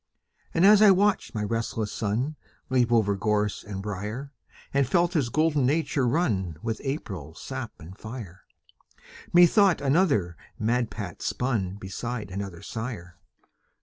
And as I watched my restless son Leap over gorse and briar, And felt his golden nature run With April sap and fire, Methought another madpate spun Beside another sire.